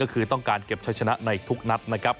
ก็คือต้องการเก็บใช้ชนะในทุกนัดนะครับ